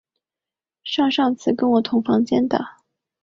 上上次跟我同房间的